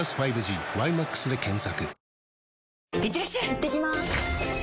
いってきます！